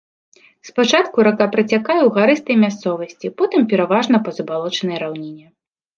Спачатку рака працякае ў гарыстай мясцовасці, потым пераважна па забалочанай раўніне.